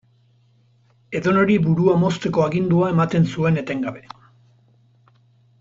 Edonori burua mozteko agindua ematen zuen etengabe.